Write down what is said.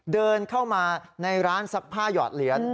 เดินเข้ามาในร้านซักผ้าหยอดเหรียญ